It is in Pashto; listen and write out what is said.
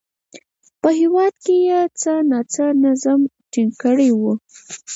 په هېواد کې یې څه ناڅه نظم ټینګ کړی و